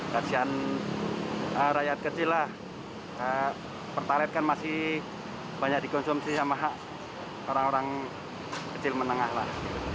kasihan rakyat kecil lah pertaret kan masih banyak dikonsumsi sama hak orang orang kecil menengah lah